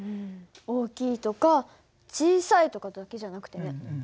大きいとか小さいとかだけじゃなくてね。